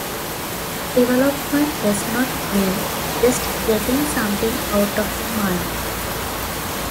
Development does not mean just getting something out of the mind.